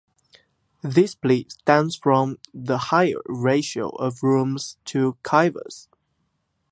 This belief stems from the higher ratio of rooms to kivas.